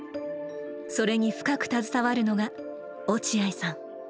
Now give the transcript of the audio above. それに深く携わるのが落合さん。